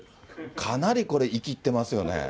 かなりこれ、いきってますよね。